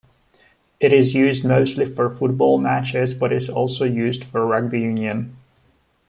It is used mostly for football matches, but is also used for rugby union.